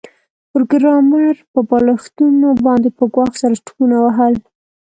پروګرامر په بالښتونو باندې په ګواښ سره ټوپونه وهل